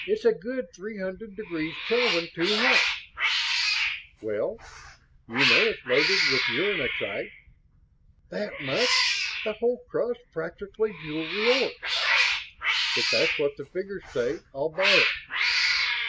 "It's a good three hundred degrees Kelvin too hot." "Well, you know it's loaded with uranexite." "That much? The whole crust practically jewelry ore?" "If that's what the figures say, I'll buy it."